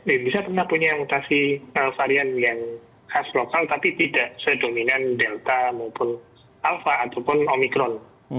indonesia pernah punya mutasi varian yang khas lokal tapi tidak sedominan delta maupun alpha ataupun omikron